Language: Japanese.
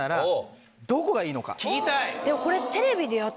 聞きたい！